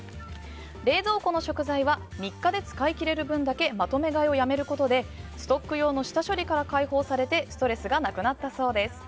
冷蔵庫の食材は３日で使い切れる分だけまとめ買いをやめることでストック用の下処理から解放されてストレスがなくなったそうです。